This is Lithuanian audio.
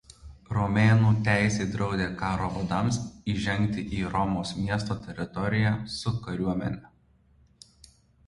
Romėnų teisė draudė karo vadams įžengti į Romos miesto teritoriją su kariuomene.